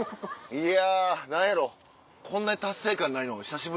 いや。